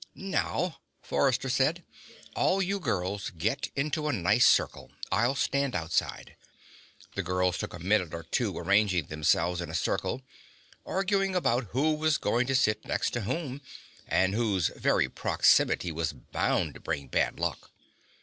"Now," Forrester said, "all you girls get into a nice circle. I'll stand outside." The girls took a minute or two arranging themselves in a circle, arguing about who was going to sit next to whom, and whose very proximity was bound to bring bad luck.